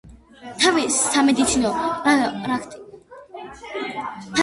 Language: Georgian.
თავისი სამედიცინო პრაქტიკის განმავლობაში თხუთმეტ ათასზე მეტი სხვადასხვა სირთულის ოპერაცია აქვს ჩატარებული.